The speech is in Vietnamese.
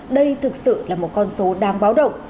đây thực sự là một con số đáng báo động